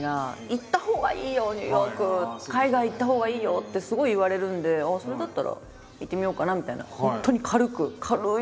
「海外行ったほうがいいよ」ってすごい言われるんでそれだったら行ってみようかなみたいな。